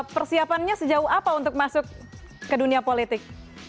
persiapannya sejauh apa untuk masuk ke dunia politik